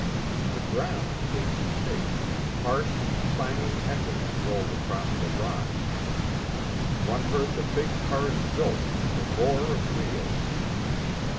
The ground began to shake, harsh, clanging echoes rolled across the rocks; one heard the big cars jolt and the roar of wheels.